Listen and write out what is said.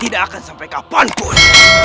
tidak akan sampai kapanpun